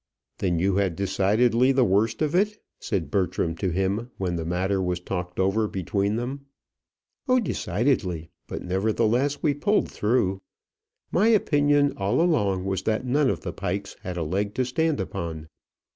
"Then you had decidedly the worst of it?" said Bertram to him, when the matter was talked over between them. "Oh, decidedly; but, nevertheless, we pulled through. My opinion all along was that none of the Pikes had a leg to stand upon.